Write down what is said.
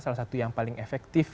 salah satu yang paling efektif